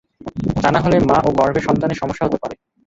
তা না হলে মা ও গর্ভের সন্তানের সমস্যা হতে পারে।